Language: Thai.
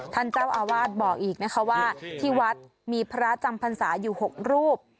ท่านเจ้าอาวาสบอกอีกนะคะว่าที่วัดมีพระจำพรรษาอยู่๖รูป